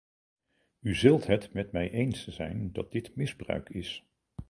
U zult het met mij eens zijn dat dit misbruik is.